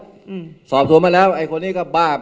บ๊วยทำท่วมมาแล้วไอ้คนนี้ก็บ้า